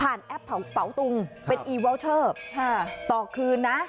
ผ่านแอปเป๋าเป๋าตุงครับเป็นอีเวิลเชอร์ครับต่อคืนนะ